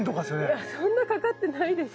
いやそんなかかってないでしょ。